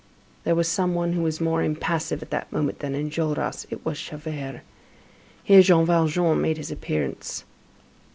There was some one who was more impassive at that moment than Enjolras, it was Javert. Here Jean Valjean made his appearance.